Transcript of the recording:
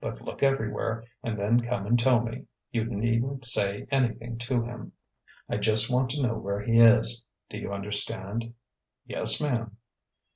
But look everywhere, and then come and tell me. You needn't say anything to him. I just want to know where he is. Do you understand?" "Yes, ma'm."